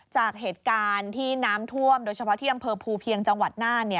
จากเหตุการณ์ที่น้ำท่วมโดยเฉพาะที่อำเภอภูเพียงจังหวัดน่าน